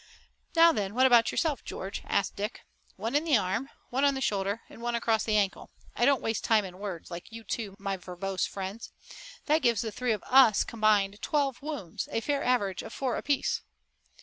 "Now, then, what about yourself, George?" asked Dick. "One in the arm, one on the shoulder and one across the ankle. I don't waste time in words, like you two, my verbose friends. That gives the three of us combined twelve wounds, a fair average of four apiece."